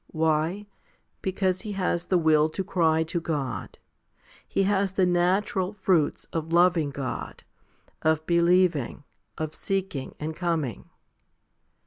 Why ? Because he has the will to cry to God; he has the natural fruits of loving God, of believing, of seeking and coming.